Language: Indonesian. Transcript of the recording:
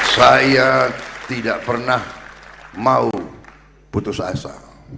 saya tidak pernah mau putus asa